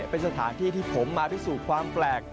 เป็นสถานที่ที่ผมมาพิสูจน์ความแปลก